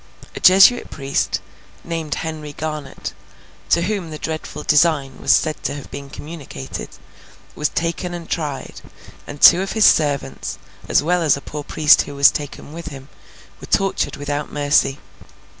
A Jesuit priest, named Henry Garnet, to whom the dreadful design was said to have been communicated, was taken and tried; and two of his servants, as well as a poor priest who was taken with him, were tortured without mercy.